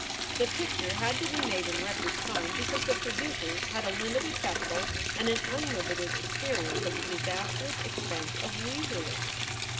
The picture had to be made in record time because the producers had a limited capital and an unlimited experience of the disastrous expense of leisureliness.